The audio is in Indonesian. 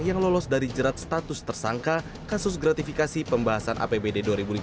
yang lolos dari jerat status tersangka kasus gratifikasi pembahasan apbd dua ribu lima belas